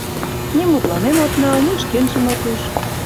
Ни мутланен от нал, ни шкенжым от уж...